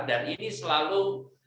dan ini selalu